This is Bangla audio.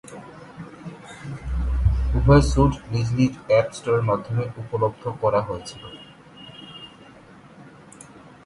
উভয় স্যুট নিজ নিজ অ্যাপ স্টোরের মাধ্যমে উপলব্ধ করা হয়েছিল।